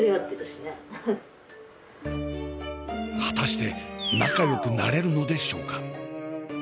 果たして仲よくなれるのでしょうか？